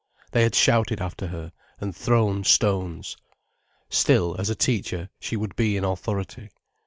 They had shouted after her and thrown stones. Still, as a teacher, she would be in authority.